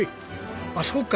あっそうか。